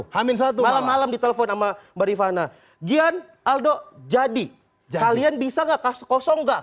hamin satu malam malam ditelepon sama mbak rifana gian aldo jadi kalian bisa nggak kasih kosong enggak